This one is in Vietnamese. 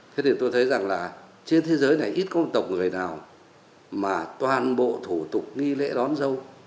thế thì tôi thấy rằng là trên thế giới này ít công tộc người nào mà toàn bộ thủ tục nghi lễ đón dâu